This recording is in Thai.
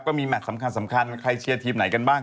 ก็มีแมทสำคัญใครเชียร์ทีมไหนกันบ้าง